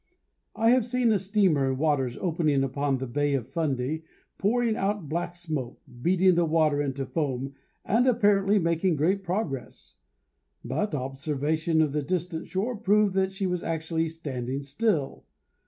I have seen a steamer in waters opening upon the Bay of Fundy pouring out black smoke, beating the water into foam, and apparently making great progress. But observation of the distant shore proved that she was actually standing still.